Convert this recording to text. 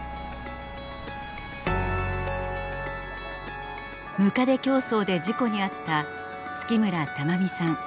むかで競走で事故に遭った月村珠実さん。